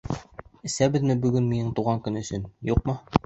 Әсәбеҙме бөгөн минең тыуған көн өсөн, юҡмы?